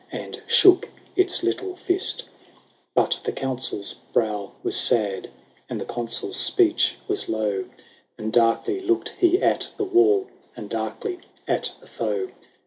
And shook its little fist. XXVI. But the Consul's brow was sad. And the Consul's speech was low. 56 LAYS OF ANCIENT EOME. And darkly looked he at the wall, And darkly at the foe.